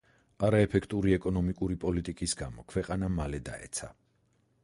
არაეფექტური ეკონომიკური პოლიტიკის გამო ქვეყანა მალე დაეცა.